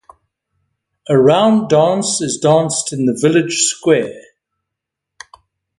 A round dance is danced in the village square.